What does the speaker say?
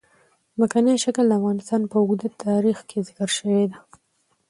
ځمکنی شکل د افغانستان په اوږده تاریخ کې ذکر شوې ده.